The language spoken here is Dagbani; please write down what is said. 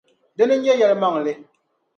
Dina n-nyɛ yɛlimaŋli.